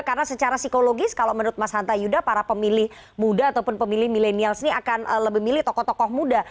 karena secara psikologis kalau menurut mas hanta yuda para pemilih muda ataupun pemilih millenials ini akan lebih milih tokoh tokoh muda